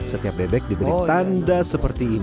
setiap bebek diberi tanda seperti ini